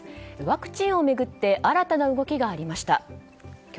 ワクチンを巡って新たな動きがありました。